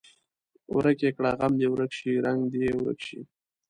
ورک یې کړه غم دې ورک شي رنګ دې یې ورک شي.